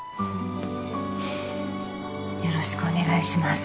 よろしくお願いします